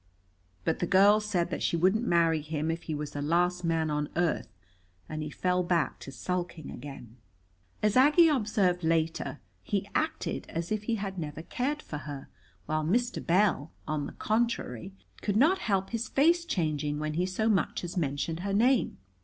But the girl said that she wouldn't marry him if he was the last man on earth, and he fell back to sulking again. As Aggie observed later, he acted as if he had never cared for her, while Mr. Bell, on the contrary, could not help his face changing when he so much as mentioned her name.